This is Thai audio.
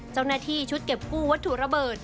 เจ้าหน้าที่ชุดเก็บกู้วัตถุระเบิด